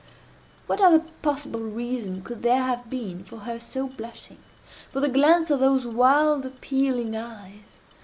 What other possible reason could there have been for her so blushing?—for the glance of those wild appealing eyes?